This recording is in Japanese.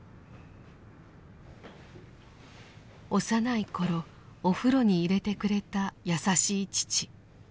幼い頃お風呂に入れてくれた優しい父。